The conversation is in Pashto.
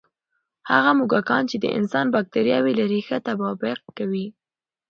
هغه موږکان چې د انسان بکتریاوې لري، ښه تطابق کوي.